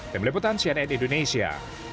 demi leputan cnn indonesia